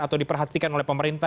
atau diperhatikan oleh pemerintah